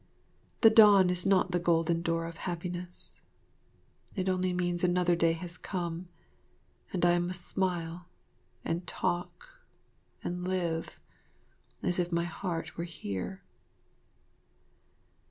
The dawn is not the golden door of happiness. It only means another day has come and I must smile and talk and live as if my heart were here.